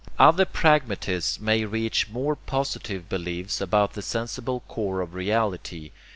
Other pragmatists may reach more positive beliefs about the sensible core of reality.